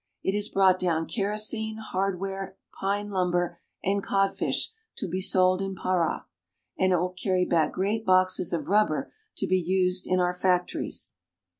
It has brought down kerosene, hardware, pine lumber, and codfish to be sold in Para, and it will carry back great boxes of rubber to be used in our factories.